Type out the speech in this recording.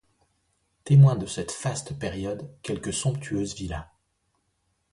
Témoins de cette faste période, quelques somptueuses villas.